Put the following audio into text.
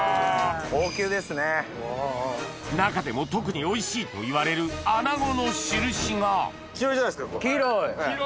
中でも特においしいといわれるアナゴの印が黄色い！